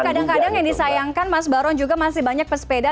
kadang kadang yang disayangkan mas baron juga masih banyak pesepeda